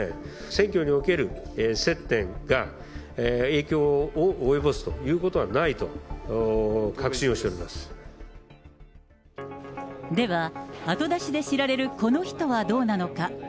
選挙における接点が影響を及ぼすということはないと確信をしておでは、後出しで知られるこの人はどうなのか。